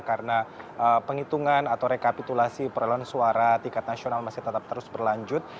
karena penghitungan atau rekapitulasi perlawanan suara tingkat nasional masih tetap terus berlanjut